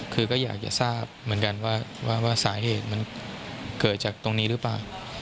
คือก็อยากจะทราบเหมือนกันว่าสาเหตุมันเกิดจากตรงนี้หรือเปล่า